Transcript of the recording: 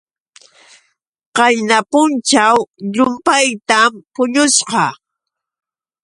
Qayna punćhaw llumpaytam puñusqa.